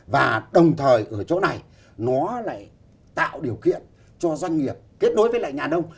và đồng thời ở chỗ này nó lại tạo điều kiện cho doanh nghiệp kết nối với lại nhà nông